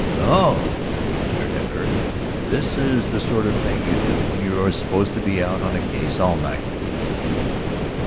"So," he jeered at her, "this is the sort of thing you do when you are supposed to be out on a case all night!"